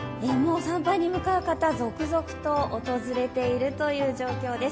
参拝に向かう方続々と訪れているという状況です。